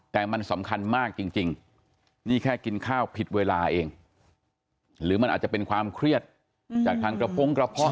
แต่มันสำคัญมากจริงนี่แค่กินข้าวผิดเวลาเองหรือมันอาจจะเป็นความเครียดจากทางกระพงกระเพาะ